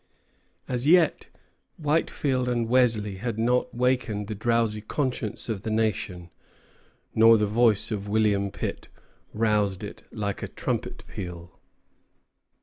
As yet, Whitefield and Wesley had not wakened the drowsy conscience of the nation, nor the voice of William Pitt roused it like a trumpet peal.